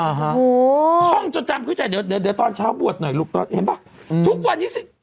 โอ้โหห้องจดจำคุยใจเดี๋ยวตอนเช้าบวชหน่อยลูกทุกวันนี้สิ